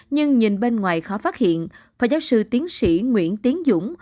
nhưng nhìn bên ngoài khó phát hiện phó giáo sư tiến sĩ nguyễn tiến dũng